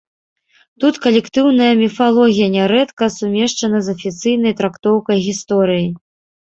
Тут калектыўная міфалогія нярэдка сумешчана з афіцыйнай трактоўкай гісторыі.